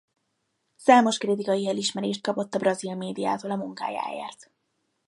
Számos kritikai elismerést kapott a brazil médiától a munkájáért.